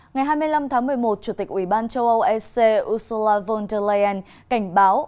ngày hai mươi năm tháng một mươi một chủ tịch ủy ban châu âu ec ursula von der leyen cảnh báo